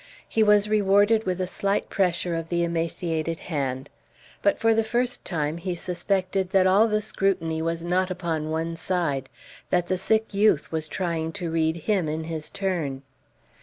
He was rewarded with a slight pressure of the emaciated hand; but for the first time he suspected that all the scrutiny was not upon one side that the sick youth was trying to read him in his turn.